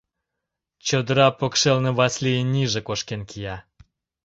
Чодыра покшелне Васлийын нийже кошкен кия...